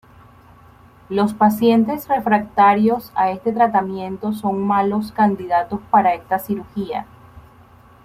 Los pacientes refractarios a este tratamiento son malos candidatos para esta cirugía.